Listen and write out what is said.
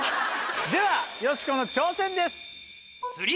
ではよしこの挑戦です！